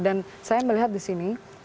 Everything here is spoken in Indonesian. dan saya melihat disini